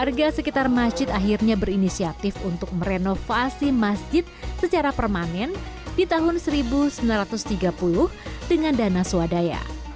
warga sekitar masjid akhirnya berinisiatif untuk merenovasi masjid secara permanen di tahun seribu sembilan ratus tiga puluh dengan dana swadaya